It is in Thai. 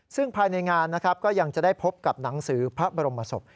ซึ่งภายในงานนะครับก็ยังจะได้พบกับหนังสือพระบรมศพ